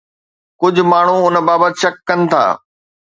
ڪجهه ماڻهو ان بابت شڪ ڪن ٿا.